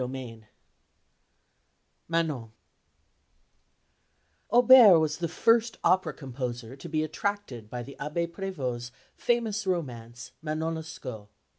VI "MANON" Auber was the first opera composer to be attracted by the Abbé Prévost's famous romance Manon Lescaut.